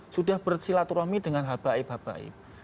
sudah bersholat jumatnya dengan habib habib